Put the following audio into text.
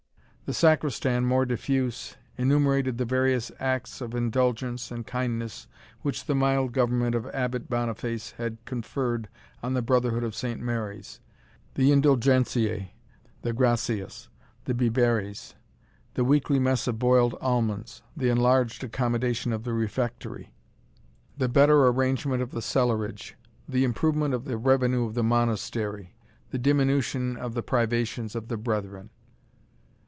The Sacristan, more diffuse, enumerated the various acts of indulgence and kindness which the mild government of Abbot Boniface had conferred on the brotherhood of Saint Mary's the indulgentiae the gratias the biberes the weekly mess of boiled almonds the enlarged accommodation of the refectory the better arrangement of the cellarage the improvement of the revenue of the Monastery the diminution of the privations of the brethren.